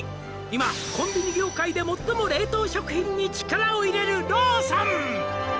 「今コンビニ業界で最も冷凍食品に力を入れるローソン」